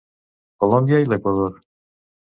Colòmbia i l'Equador.